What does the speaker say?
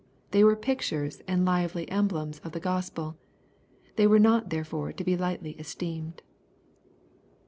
They were pic tures and lively emblems of the Gospel. They were not therefore to be lightly esteemed.